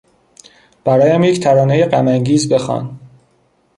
برایم یک ترانهی غمانگیز بخوان.